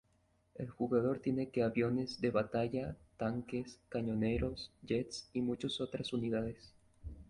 El jugador tiene que aviones de batalla, tanques, cañoneros, jets y muchos otras unidades.